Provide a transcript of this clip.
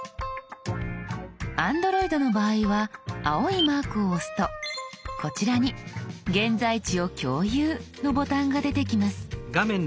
Ａｎｄｒｏｉｄの場合は青いマークを押すとこちらに「現在地を共有」のボタンが出てきます。